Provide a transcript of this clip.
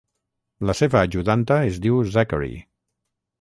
La seva ajudanta es diu Zachary.